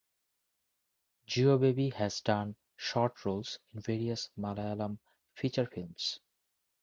Jeo baby has done short roles in various Malayalam feature films.